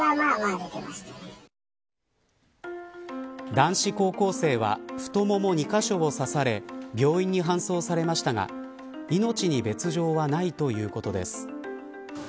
男子高校生は太もも２カ所を刺され病院に搬送されましたが命に別条はないということです。